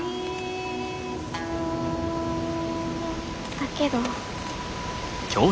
だけど。